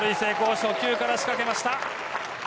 初球から仕掛けました。